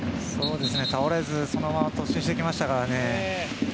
倒れずそのまま突進していきましたからね。